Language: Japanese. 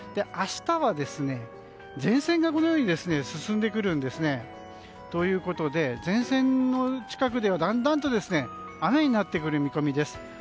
明日は前線が進んでくるんですね。ということで前線の近くではだんだんと雨になってくる見込みです。